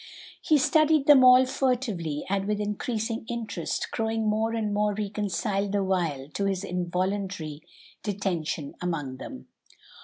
He studied them all furtively and with increasing interest, growing more and more reconciled the while to his involuntary detention among them.